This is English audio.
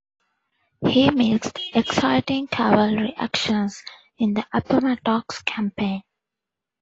He missed exciting cavalry actions in the Appomattox Campaign.